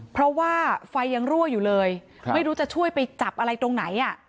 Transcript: เพราะว่าไฟยังรั่วอยู่เลยไม่รู้จะช่วยไปจับอะไรตรงไหนอ่ะ